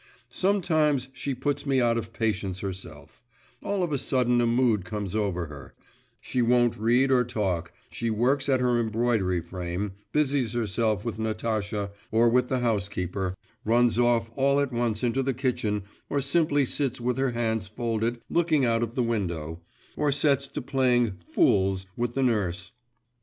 Sometimes she puts me out of patience herself; all of a sudden a mood comes over her; she won't read or talk, she works at her embroidery frame, busies herself with Natasha, or with the housekeeper, runs off all at once into the kitchen, or simply sits with her hands folded looking out of the window, or sets to playing 'fools' with the nurse.